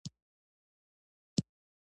د مرستې په بدل کې به زیاتې پیسې ورکړي.